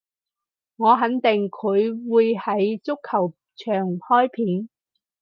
我肯定佢會喺足球場開片